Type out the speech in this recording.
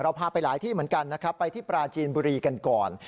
พาไปหลายที่เหมือนกันนะครับไปที่ปราจีนบุรีกันก่อน